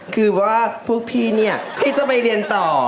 คือว่าพวกพี่เนี่ยพี่จะไปเรียนต่อ